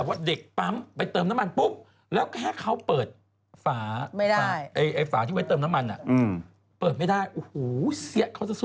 เป็นอะไรหรือเปล่าคนเขากำลังพูดว่ามันเกินก่ว่าเหตุ